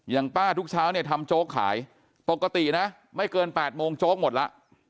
ป้าทุกเช้าเนี่ยทำโจ๊กขายปกตินะไม่เกิน๘โมงโจ๊กหมดแล้ว